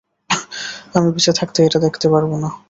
আমি বেঁচে থাকতে এটা দেখতে পারব না।